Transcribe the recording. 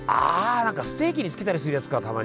何かステーキにつけたりするやつかたまに。